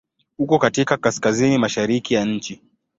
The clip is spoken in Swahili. Uko katika Kaskazini mashariki ya nchi.